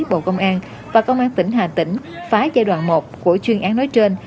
bộ công an và công an tỉnh hà tỉnh phái giai đoạn một của chuyên án nói trên